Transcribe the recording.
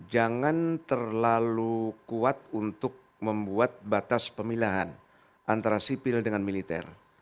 jangan terlalu kuat untuk membuat batas pemilahan antara sipil dengan militer